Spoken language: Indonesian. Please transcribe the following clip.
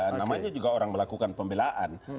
namanya juga orang melakukan pembelaan